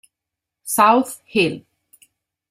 South Hill